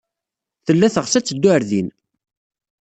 Tella teɣs ad teddu ɣer din.